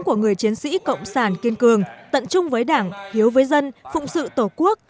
của người chiến sĩ cộng sản kiên cường tận trung với đảng hiếu với dân phụng sự tổ quốc